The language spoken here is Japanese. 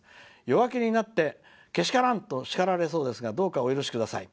弱気になって、けしからんと叱られそうですがどうかお許しください。